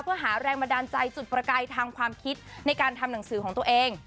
เพื่อหาแรงบันดาลใจจุดประกายทางความคิดในการทำหนังสือของตัวเอง